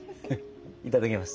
いただきます。